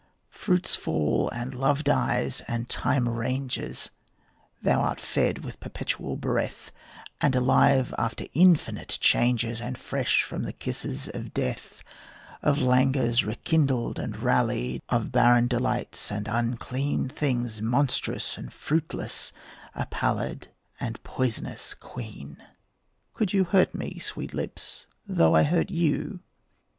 Fruits fail and love dies and time ranges; Thou art fed with perpetual breath, And alive after infinite changes, And fresh from the kisses of death; Of languors rekindled and rallied, Of barren delights and unclean, Things monstrous and fruitless, a pallid And poisonous queen. Could you hurt me, sweet lips, though I hurt you?